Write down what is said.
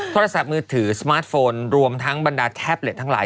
โทรศัพท์มือถือสมาร์ทโฟนรวมทั้งบรรดาแท็บเล็ตทั้งหลาย